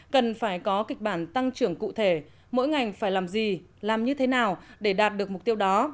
cần phải có kịch bản tăng trưởng cụ thể mỗi ngành phải làm gì làm như thế nào để đạt được mục tiêu đó